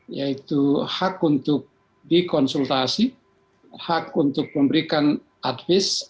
yaitu hak untuk dikonsultasi hak untuk memberikan advis